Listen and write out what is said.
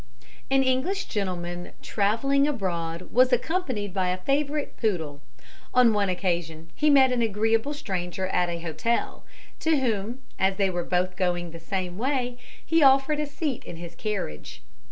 An English gentleman travelling abroad was accompanied by a favourite poodle. On one occasion he met an agreeable stranger at an hotel, to whom, as they were both going the same way, he offered a seat in his carriage.